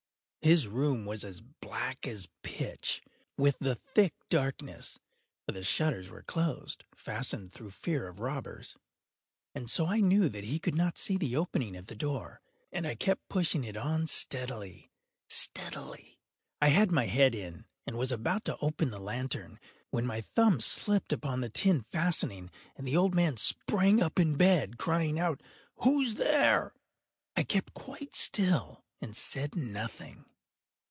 His room was as black as pitch with the thick darkness, (for the shutters were close fastened, through fear of robbers,) and so I knew that he could not see the opening of the door, and I kept pushing it on steadily, steadily. I had my head in, and was about to open the lantern, when my thumb slipped upon the tin fastening, and the old man sprang up in bed, crying out—“Who’s there?” I kept quite still and said nothing.